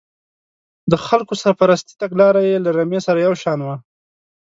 د خلکو سرپرستۍ تګلاره یې له رمې سره یو شان وه.